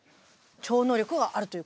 超能力があるということですか？